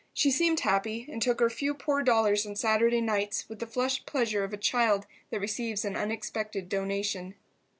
She seemed happy, and took her few poor dollars on Saturday nights with the flushed pleasure of a child that receives an unexpected donation.